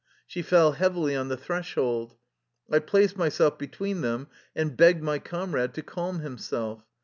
She fell heavily on the threshold. I placed myself between them and begged my comrade to calm himself.